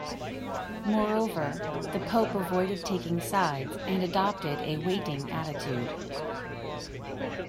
Moreover, the pope avoided taking sides and adopted a waiting attitude.